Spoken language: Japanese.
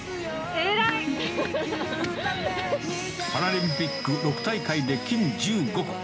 パラリンピック６大会で金１５個。